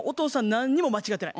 何にも間違ってない。